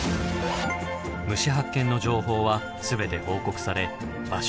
虫発見の情報は全て報告され場所